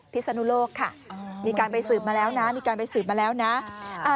ที่สนุโลกค่ะมีการไปสืบมาแล้วนะ